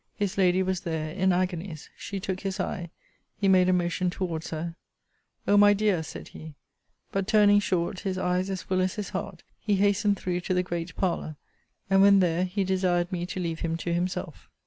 His lady was there in agonies. She took his eye. He made a motion towards her: O my dear, said he But turning short, his eyes as full as his heart, he hastened through to the great parlour: and when there, he desired me to leave him to himself.